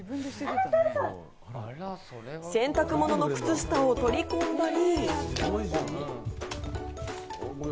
洗濯物の靴下を取り込んだり。